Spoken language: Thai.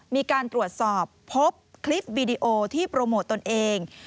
มีการตรวจสอบพบคลิปวีดีโอที่โปรโมทตนเอง